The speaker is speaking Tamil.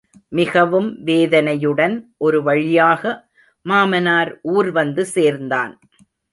மிகவும் வேதனையுடன் ஒரு வழியாக மாமனார் ஊர் வந்து சேர்ந்தான்.